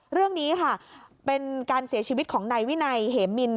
เรื่องนี้ค่ะเป็นการเสียชีวิตของนายวินัยเหมิน